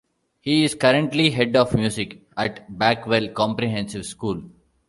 He is currently head of music at Backwell Comprehensive school.